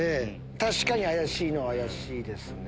確かに怪しいのは怪しいですね。